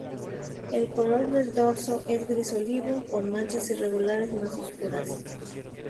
El color del dorso es gris-olivo, con manchas irregulares más oscuras.